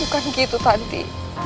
bukan gitu tanti